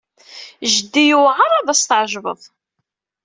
Jeddi yewɛeṛ ad as-tɛejbeḍ.